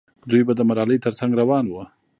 دوی به د ملالۍ تر څنګ روان وو.